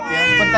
bentar ya fisya